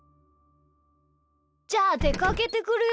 じゃあでかけてくるよ。